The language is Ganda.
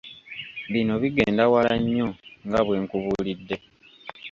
Bino bigenda wala nnyo nga bwe nkubuulidde.